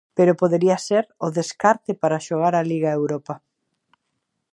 Pero podería ser o descarte para xogar a Liga Europa.